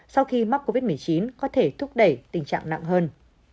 sau khi mắc covid một mươi chín có thể thúc đẩy tình trạng nặng hơn